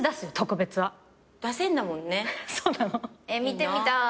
見てみたい。